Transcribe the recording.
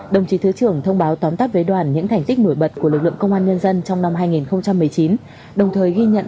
đồng chí thứ trưởng thông báo tóm tắt với đoàn những thành tích nổi bật của lực lượng công an nhân dân trong năm hai nghìn một mươi chín